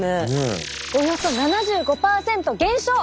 およそ７５％減少！